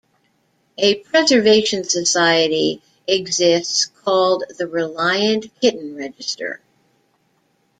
A "Preservation Society" exists called the Reliant Kitten Register.